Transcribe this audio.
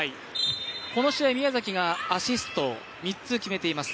この試合、宮崎がアシスト３つ決めています。